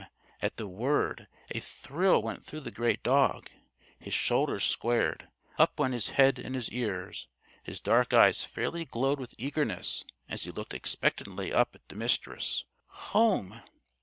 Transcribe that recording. At the word, a thrill went through the great dog. His shoulders squared. Up went his head and his ears. His dark eyes fairly glowed with eagerness as he looked expectantly up at the Mistress. _Home!